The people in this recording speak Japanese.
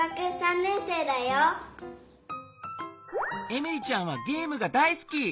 エミリちゃんはゲームが大すき！